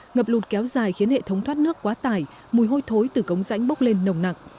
ngập lụt kéo dài khiến hệ thống thoát nước quá tải mùi hôi thối từ cống rãnh bốc lên nồng nặng